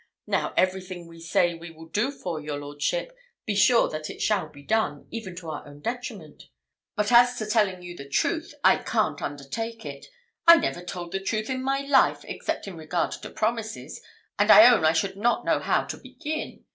Now, everything that we say we will do for your lordship, be sure that it shall be done, even to our own detriment; but as to telling you the truth, I can't undertake it. I never told the truth in my life, except in regard to promises; and I own I should not know how to begin.